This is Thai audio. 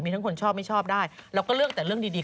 มีทั้งคนชอบไม่ชอบได้เราก็เลือกแต่เรื่องดี